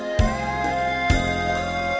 เปลี่ยนเพลงเก่งของคุณและข้ามผิดได้๑คำ